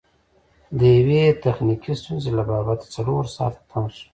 د یوې تخنیکي ستونزې له با بته څلور ساعته تم سو.